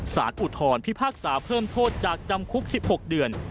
อุทธรพิพากษาเพิ่มโทษจากจำคุก๑๖เดือน